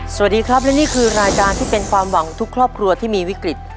สวัสดีครับและนี่คือรายการที่เป็นความหวังของทุกครอบครัวที่มีวิกฤต